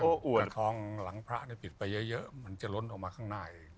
ถ้าทองหลังพระปิดไปเยอะมันจะล้นออกมาข้างหน้าอีก